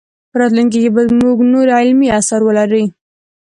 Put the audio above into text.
په راتلونکي کې به موږ نور علمي اثار ولرو.